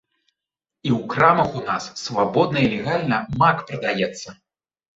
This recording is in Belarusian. І ў крамах у нас свабодна і легальна мак прадаецца.